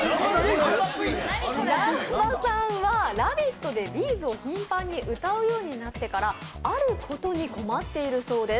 南波さんは「ラヴィット！」でＢ’ｚを頻繁に歌うようになってからあることに困っているそうです。